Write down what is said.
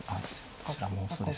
あちらもそうですね。